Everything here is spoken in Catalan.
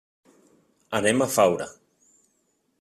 Anem a Faura.